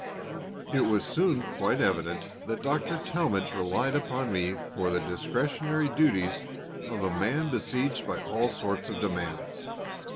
It was soon quite evident that Dr. Talmage relied upon me for the discretionary duties of a man besieged by all sorts of demands.